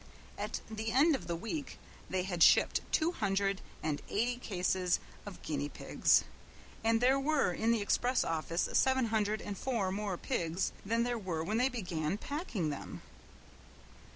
At the end of the week they had shipped two hundred and eighty cases of guinea pigs, and there were in the express office seven hundred and four more pigs than when they began packing them.